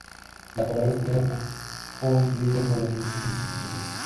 La palabra española Japón vino por las rutas de comercio primitivas.